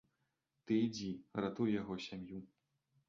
Ты ідзі, ратуй яго сям'ю.